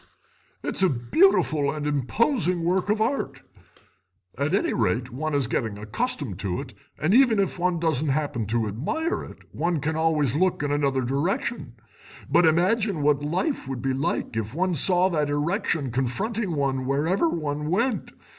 It is a beautiful and imposing work of art—at any rate one is getting accustomed to it, and even if one doesn't happen to admire it one can always look in another direction. But imagine what life would be like if one saw that erection confronting one wherever one went.